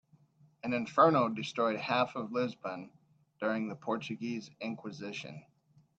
An inferno destroyed half of Lisbon during the Portuguese inquisition.